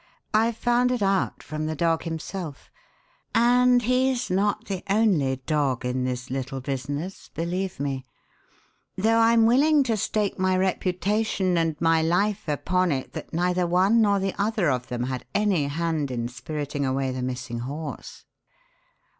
I found it out from the dog himself and he's not the only dog in this little business, believe me though I'm willing to stake my reputation and my life upon it that neither one nor the other of them had any hand in spiriting away the missing horse."